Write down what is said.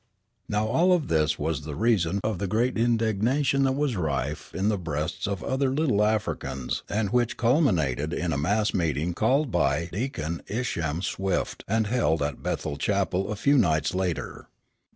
Now all of this was the reason of the great indignation that was rife in the breasts of other Little Africans and which culminated in a mass meeting called by Deacon Isham Swift and held at Bethel Chapel a few nights later.